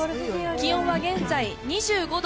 気温は現在２５度。